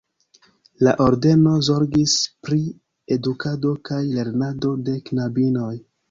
La ordeno zorgis pri edukado kaj lernado de knabinoj.